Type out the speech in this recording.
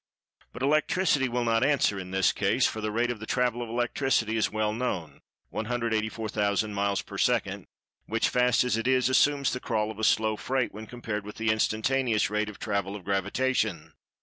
But "Electricity" will not answer in this case, for the rate of the "travel" of Electricity is well known—184,000 miles per second, which, fast as it is, assumes the crawl of a "slow freight" when compared with the "instantaneous" rate of travel of Gravitation.